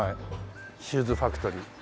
シューズファクトリー。